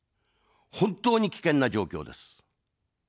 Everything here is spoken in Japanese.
本当に危険な状況です。